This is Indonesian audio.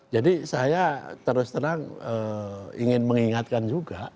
jadi saya terus terang ingin mengingatkan juga